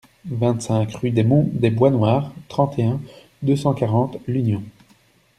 vingt-cinq rUE DES MONTS DES BOIS NOIRS, trente et un, deux cent quarante, L'Union